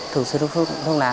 thử xuyên hút thuốc lá